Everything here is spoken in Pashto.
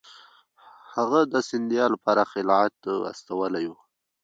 هغه د سیندیا لپاره خلعت استولی وو.